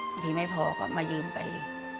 อีกทีไม่พอก็มายืมไป